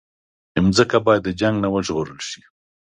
مځکه باید د جنګ نه وژغورل شي.